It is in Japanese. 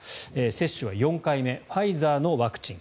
接種は４回目ファイザーのワクチン。